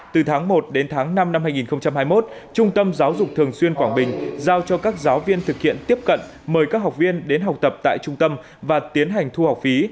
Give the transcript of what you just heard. từ tháng một đến tháng năm năm hai nghìn hai mươi một trung tâm giáo dục thường xuyên quảng bình giao cho các giáo viên thực hiện tiếp cận mời các học viên đến học tập tại trung tâm và tiến hành thu học phí